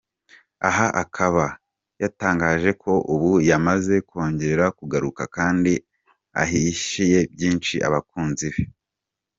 Aha akaba yatangaje ko ubu yamaze kongera kugaruka kandi ahishiye byinshi abakunzi be.